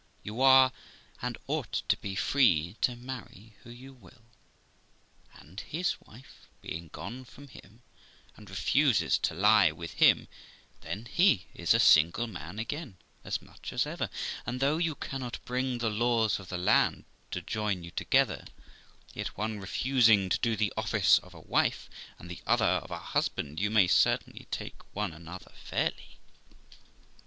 You are, and ought to be, free to marry who you will ; and, his wife being gone from him, and refusing to lie with him, then he is a single man again as much as ever; and, though you cannot bring the laws of the land to join you together, yet, one refusing to do the office of a wife, and the other of a husband, you may certainly take one another fairly.'